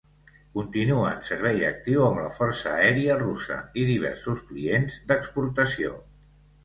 Continua en servei actiu amb la Força Aèria Russa i diversos clients d'exportació.